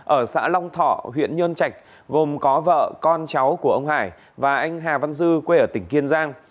ở xã long thọ huyện nhơn trạch gồm có vợ con cháu của ông hải và anh hà văn dư quê ở tỉnh kiên giang